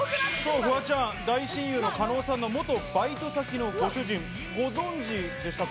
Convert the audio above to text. フワちゃん、大親友の加納さんの元バイト先のご主人、ご存じでしたか？